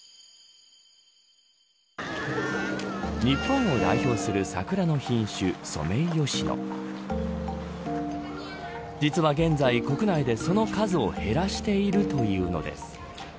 日本を代表する桜の品種ソメイヨシノ実は現在、国内で、その数を減らしているというのです。